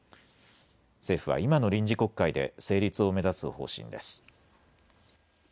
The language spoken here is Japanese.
政府は今の臨時国会で成立を目指す方針です。